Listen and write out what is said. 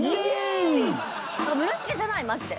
村重じゃないマジで。